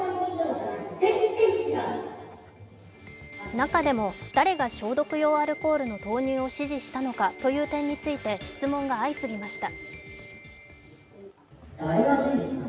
中でも、誰が消毒用アルコールの投入を指示したのかという点について質問が相次ぎました。